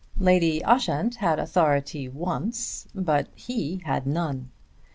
Lady Ushant had authority once, but he had none.